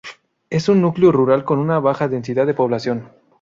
Es un núcleo rural con una baja densidad de población.